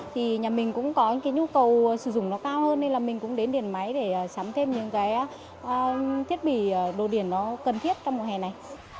thì nhà mình cũng có những cái nhu cầu sử dụng nó cao hơn nên là mình cũng đến điện máy để sắm thêm những cái thiết bị đồ điền nó cần thiết trong mùa hè này